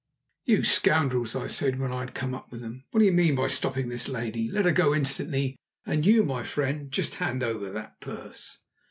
"You scoundrels!" I said, when I had come up with them. "What do you mean by stopping this lady? Let her go instantly; and you, my friend, just hand over that purse."